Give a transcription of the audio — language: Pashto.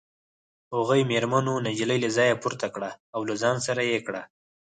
هغو مېرمنو نجلۍ له ځایه پورته کړه او له ځان سره یې کړه